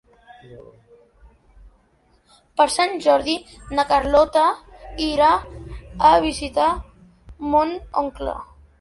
Per Sant Jordi na Carlota irà a visitar mon oncle.